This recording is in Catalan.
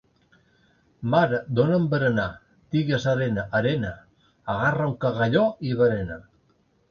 Mare, done'm berenar. —Digues arena. —Arena! —Agarra un cagalló i berena!